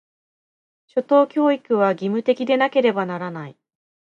初等教育は、義務的でなければならない。